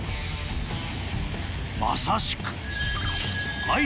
まさしく